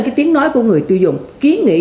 cái tiếng nói của người tiêu dùng ký nghị